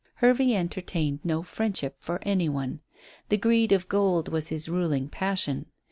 Hervey entertained no friendship for any one. The greed of gold was his ruling passion.